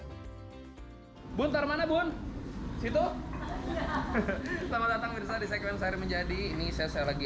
hai buntar mana bun situ selamat datang bisa disekretari menjadi ini saya lagi